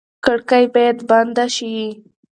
کړکۍ باید بنده شي.